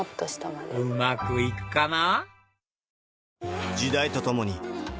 うまく行くかな？